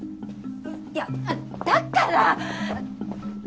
いやだから！